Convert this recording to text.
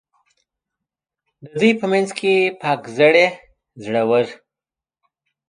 د دوی په منځ کې پاک زړي، زړه ور.